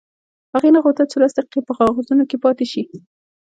هغې نه غوښتل چې لس دقیقې په کاغذونو کې پاتې شي